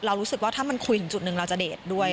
รู้สึกว่าถ้ามันคุยถึงจุดหนึ่งเราจะเดทด้วย